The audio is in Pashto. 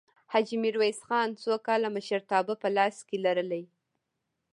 حاجي میرویس خان څو کاله مشرتابه په لاس کې لرلې؟